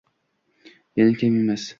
Yana kam emas